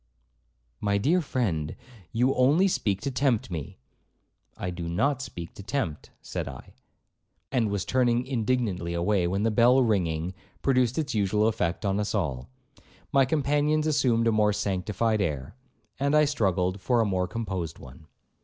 'My dear friend, you only speak to tempt me.' 'I do not speak to tempt,' said I, and was turning indignantly away, when the bell ringing, produced its usual effect on us all. My companions assumed a more sanctified air, and I struggled for a more composed one.